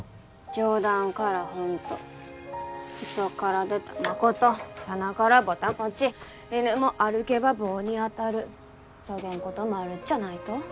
冗談から本当嘘から出たまこと棚からぼた餅犬も歩けば棒に当たるそげんこともあるっちゃないと？